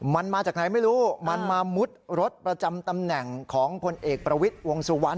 มันมาจากไหนไม่รู้มันมามุดรถประจำตำแหน่งของพลเอกประวิทย์วงสุวรรณ